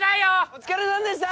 お疲れさんでした